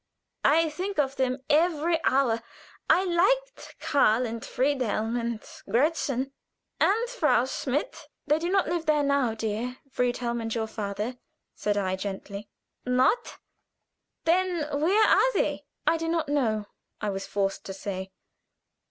I think of them every hour. I liked Karl and Friedhelm, and Gretchen, and Frau Schmidt." "They do not live there now, dear, Friedhelm and your father," said I, gently. "Not? Then where are they?" "I do not know," I was forced to say.